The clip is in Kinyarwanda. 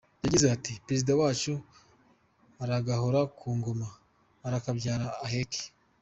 Yagize ati “Perezida wacu aragahora ku ngoma, arakabyara aheke.